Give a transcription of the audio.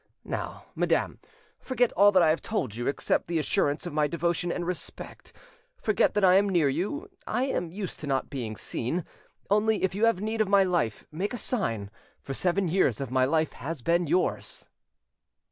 Now, madam, forget all I have told you, except the assurance of my devotion and respect: forget that I am near you; I am used to not being seen: only, if you have need of my life, make a sign; for seven years my life has been yours."